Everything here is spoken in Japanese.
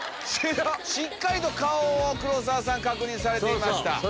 しっかりと顔を黒沢さん確認されていました。